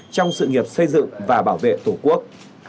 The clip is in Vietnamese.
trong sự nghiệp xây dựng và bảo vệ tổ quốc